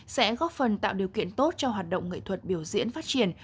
sẽ góp phần tạo điều kiện tốt cho hoạt động nghệ thuật biểu diễn phát triển